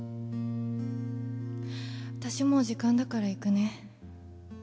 私もう時間だから行くね。